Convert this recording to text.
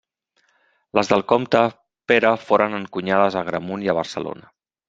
Les del comte Pere foren encunyades a Agramunt i a Barcelona.